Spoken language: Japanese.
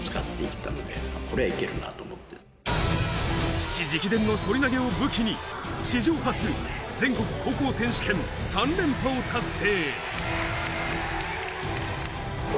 父直伝の反り投げを武器に史上初、全国高校選手権３連覇を達成。